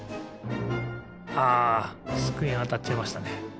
あつくえにあたっちゃいましたね。